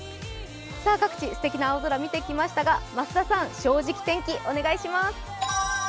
各地、すてきな青空を見てきましたが、増田さん、「正直天気」、お願いします。